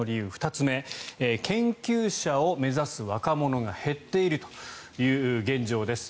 ２つ目研究者を目指す若者が減っているという現状です。